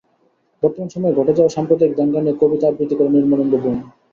বর্তমান সময়ে ঘটে যাওয়া সাম্প্রদায়িক দাঙ্গা নিয়ে কবিতা আবৃত্তি করেন নির্মলেন্দু গুণ।